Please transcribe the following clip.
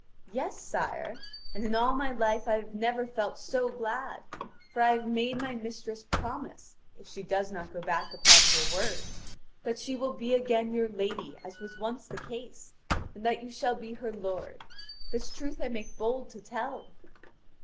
"Yes, sire, and in all my life I have never felt so glad, for I have made my mistress promise, if she does not go back upon her word, that she will be again your lady as was once the case, and that you shall be her lord; this truth I make bold to tell."